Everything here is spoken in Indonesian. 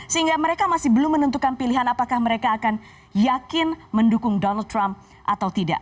sehingga mereka masih belum menentukan pilihan apakah mereka akan yakin mendukung donald trump atau tidak